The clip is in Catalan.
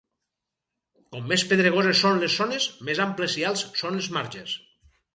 Com més pedregoses són les zones, més amples i alts són els marges.